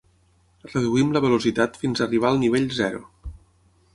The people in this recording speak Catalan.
Reduïm la velocitat fins arribar al nivell zero.